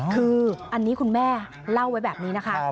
คืออันนี้คุณแม่เล่าไว้แบบนี้นะคะ